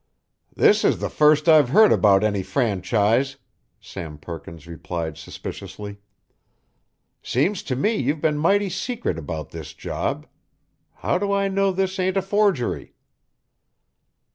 "This is the first I've heard about any franchise," Sam Perkins replied suspiciously. "Seems to me you been mighty secret about this job. How do I know this ain't a forgery?"